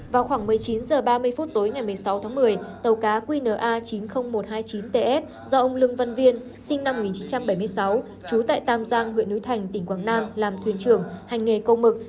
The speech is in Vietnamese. vào khoảng một mươi chín h ba mươi phút tối ngày một mươi sáu tháng một mươi tàu cá qna chín mươi nghìn một trăm hai mươi chín ts do ông lương văn viên sinh năm một nghìn chín trăm bảy mươi sáu trú tại tam giang huyện núi thành tỉnh quảng nam làm thuyền trưởng hành nghề câu mực